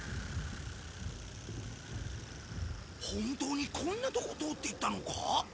本当にこんなとこ通っていったのか？